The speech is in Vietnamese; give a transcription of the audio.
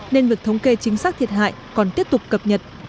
nên việc thống kê chính xác thiệt hại còn tiếp tục cập nhật